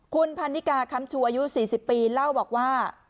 คุณพันนิกาคำชูอายุ๔๐ปีเล่าบอกว่า